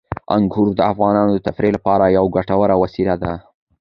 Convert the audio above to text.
انګور د افغانانو د تفریح لپاره یوه ګټوره وسیله ده.